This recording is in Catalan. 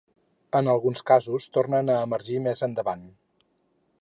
En alguns casos tornen a emergir més endavant.